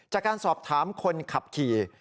จากการสอบถามคนขับขี่